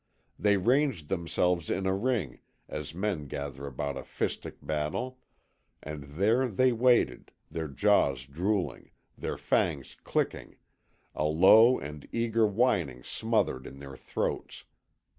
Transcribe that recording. They ranged themselves in a ring, as men gather about a fistic battle; and there they waited, their jaws drooling, their fangs clicking, a low and eager whining smothered in their throats.